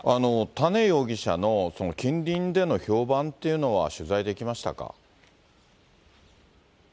多禰容疑者の近隣での評判というのは、取材できましたか。